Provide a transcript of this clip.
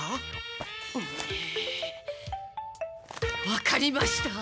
わかりました！